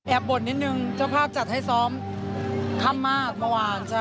บ่นนิดนึงเจ้าภาพจัดให้ซ้อมค่ำมากเมื่อวาน